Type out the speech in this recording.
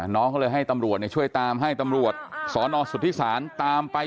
น้องเขาเลยให้ตำรวจช่วยตามให้ตำรวจสนสุธิศาลตามไป